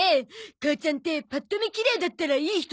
母ちゃんってパッと見きれいだったらいい人だから。